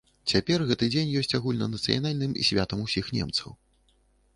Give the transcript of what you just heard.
Цяпер гэты дзень ёсць агульнанацыянальным святам усіх немцаў.